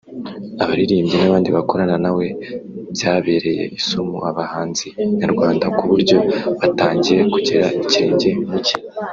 abaririmbyi n’abandi bakorana na we byabereye isomo abahanzi nyarwanda ku buryo batangiye kugera ikirenge mu cye